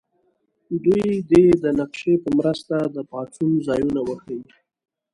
دوی دې د نقشې په مرسته د پاڅون ځایونه وښیي.